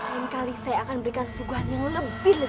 mungkin saya akan memberikan suguhan yang lebih lezat lagi